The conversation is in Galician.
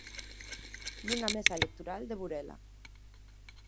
Nunha mesa electoral de Burela.